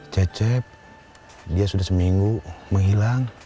cecep dia sudah seminggu menghilang